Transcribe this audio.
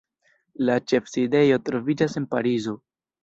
La ĉefsidejo troviĝas en Parizo.